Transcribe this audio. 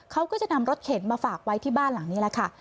เขาก็จะนำรถเข็นมาฝากไว้ที่บ้านหลังนี้แหละค่ะ